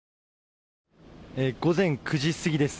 午前９時過ぎです。